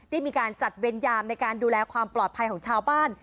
ได้มีการจัดเวรยามในการดูแลความปลอดภัยของชาวบ้าน